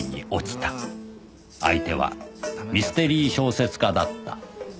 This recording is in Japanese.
相手はミステリー小説家だった